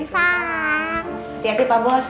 hati hati pak bos